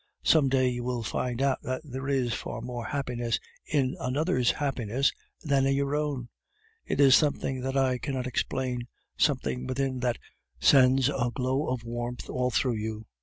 Some day you will find out that there is far more happiness in another's happiness than in your own. It is something that I cannot explain, something within that sends a glow of warmth all through you.